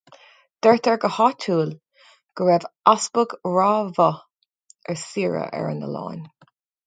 Deirtear go háitiúil go raibh Easpag Ráth Bhoth ar saoire ar an oileán.